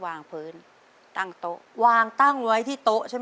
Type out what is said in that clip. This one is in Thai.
บานประตูนี้มีผ้าม่านอะไรยังไงนึกออกไหม